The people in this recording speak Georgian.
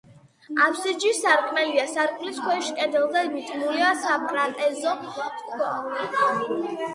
აფსიდში სარკმელია, სარკმლის ქვეშ, კედელზე, მიდგმულია სატრაპეზო ქვა.